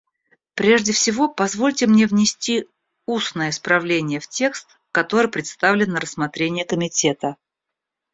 Прежде всего позвольте мне внести устное исправление в текст, который представлен на рассмотрение Комитета.